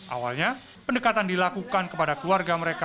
awalnya pendekatan dilakukan kepada keluarga mereka